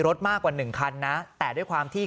รถมากกว่าหนึ่งคันนะแต่ด้วยความที่